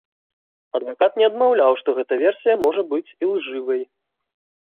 Адвакат не адмаўляў, што гэта версія можа быць ілжывай.